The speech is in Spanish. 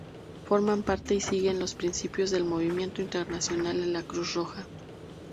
Forman parte y siguen los principios del movimiento internacional de la Cruz Roja.